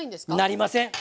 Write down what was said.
なりません。